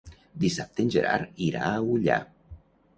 Dissabte en Gerard irà a Ullà.